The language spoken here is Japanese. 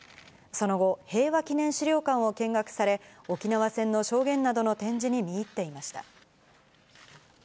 その後、平和祈念資料館を見学され、沖縄戦の証言などの展示に見入っていました。